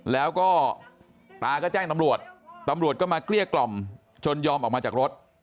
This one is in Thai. แล้วก็ตาก็แจ้งตำรวจตำรวจก็มาเกลี้ยกล่อมจนยอมออกมาจากรถ